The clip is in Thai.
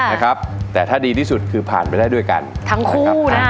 นะครับแต่ถ้าดีที่สุดคือผ่านไปได้ด้วยกันทั้งหมดครับ